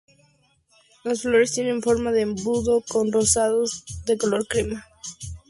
Las flores tienen forma de embudo, son rosadas o de color crema.